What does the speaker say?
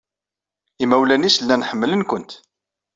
Imawlan-nnes llan ḥemmlen-kent.